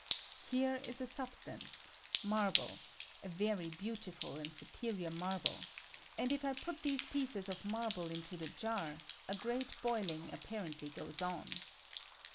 Here is a substance — niarble(") — a very beau tiful and superior marble; and if I put these piecesof marble into the jar, a great boiling ap parently goes on.